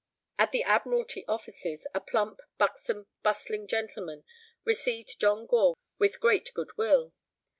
At the Admiralty offices a plump, buxom, bustling gentleman received John Gore with great good will.